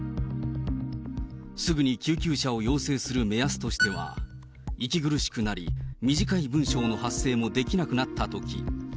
すぐに救急車を要請する目安としては、息苦しくなり、短い文章の発声もできなくなったとき。